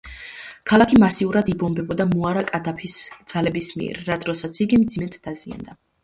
ქალაქი მასიურად იბომბებოდა მუამარ კადაფის ძალების მიერ, რა დროსაც იგი მძიმედ დაზიანდა.